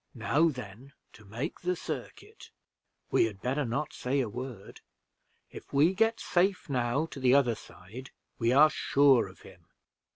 Now then to make the circuit we had better not say a word. If we get safe now to the other side, we are sure of him."